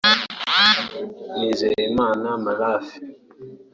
Nizeyimana Mirraf